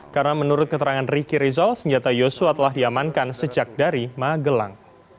karena menurut keterangan ricky rizal senjata yosua telah diamankan sejak dari magelang